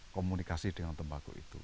komunikasi dengan tembakau itu